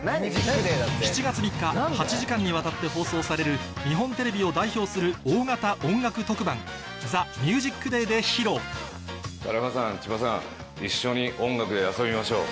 ７月３日８時間にわたって放送される日本テレビを代表する大型音楽特番『ＴＨＥＭＵＳＩＣＤＡＹ』で披露田中さん千葉さん。